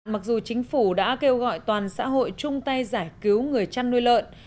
mặc dù chính phủ đã kêu gọi toàn xã hội chung tay giải cứu người chăn nuôi lợn